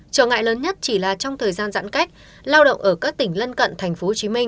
trở ngại lớn nhất chỉ là trong thời gian giãn cách lao động ở các tỉnh lân cận tp hcm